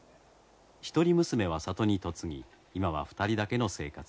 一人娘は里に嫁ぎ今は２人だけの生活です。